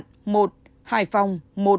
hải phòng một